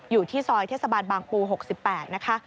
อยู่ที่ซอยเทศบาลบางปู๖๘นะคะ